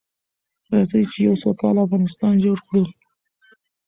راځئ چې يو سوکاله افغانستان جوړ کړو.